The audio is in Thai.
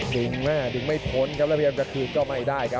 ดึงหน้าไม่ท้นแล้วพยายามจะขึ้นก็ไม่ได้ครับ